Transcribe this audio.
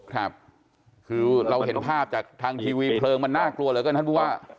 ครับคือเราเห็นภาพจากทางทีวีเผลิงมันน่ากลัวหรือครับท่านบุวะ